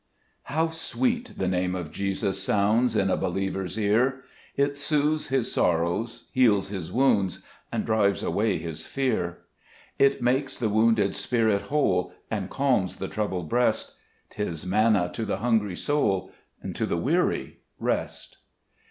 HOW sweet the Name of Jesus sounds In a believer's ear ! It soothes his sorrows, heals his wounds, And drives away his fear. 20 Gbe JBeet Cburcb thymus. 2 It makes the wounded spirit whole, And calms the troubled breast ; 'Tis Manna to the hungry soul, And to the weary Rest.